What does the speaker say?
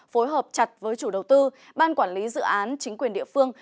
phối hợp chặt với chủ đầu tư ban quản lý dự án chính quyền địa phương